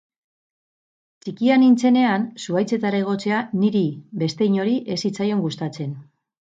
Txikia nintzenean zuhaitzetara igotzea niri beste inori ez zitzaion gustatzen.